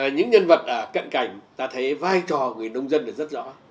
những nhân vật ở cận cảnh ta thấy vai trò người nông dân được rất rõ